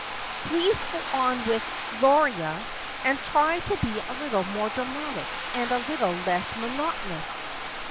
Please go on with " Luria," and try to be a little more dramatic and a little less monotonous.'